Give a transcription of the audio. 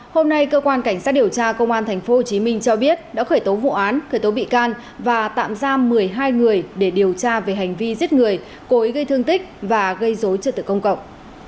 hôm nay cơ quan cảnh sát điều tra công an tp hcm cho biết đã khởi tố vụ án khởi tố bị can và tạm giam một mươi hai người để điều tra về hành vi giết người cố ý gây thương tích và gây dối trật tự công cộng